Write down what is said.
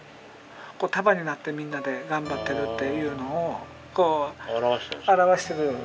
これ束になってみんなで頑張ってるっていうのを表してる。